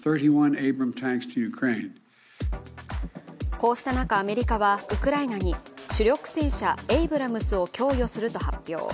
こうした中、アメリカはウクライナに主力戦車エイブラムスを供与すると発表。